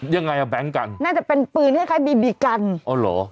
ยังไงอะแบล็งกันน่าจะเป็นปืนให้ใครบีบีกันอ๋อเหรอ